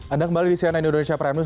anda kembali di cnn indonesia prime news